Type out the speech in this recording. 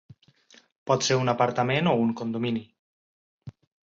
Pot ser un apartament o un condomini.